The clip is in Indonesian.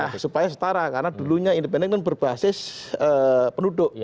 nah supaya setara karena dulunya independen kan berbasis penduduk